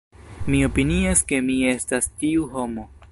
Mi opinias ke mi estas tiu homo.